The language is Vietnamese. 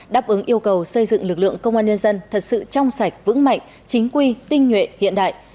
đáp ứng yêu cầu xây dựng lực lượng công an nhân dân thật sự trong sạch vững mạnh chính quy tinh nhuệ hiện đại